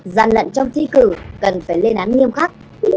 gian lận trong thi cử cần phải lên án nghiêm khắc